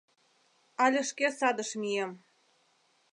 Але шке садыш мием.